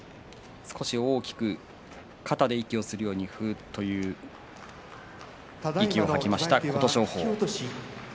少し大きく肩で息をするように、ふうという息を吐きました琴勝峰。